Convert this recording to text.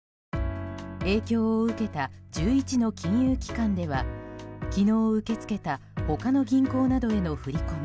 影響を受けた１１の金融機関では昨日受け付けた他の銀行などへの振り込み